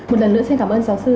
một lần nữa xin cảm ơn giáo sư